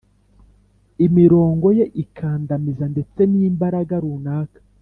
imirongo ye ikandamiza ndetse n'imbaraga runaka.